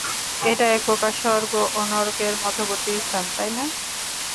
এটা একপ্রকার স্বর্গ ও নরকের মধ্যবর্তী স্থান, তাই না?